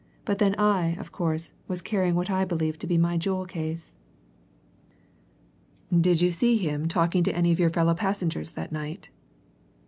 But then I, of course, was carrying what I believed to be my jewel case." "Did you see him talking to any of your fellow passengers that night?"